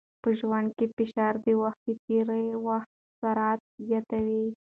په ژوند کې فشار د وخت د تېري سرعت زیاتوي.